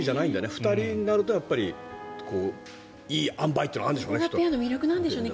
２人になるといい塩梅というのがあるんでしょうね。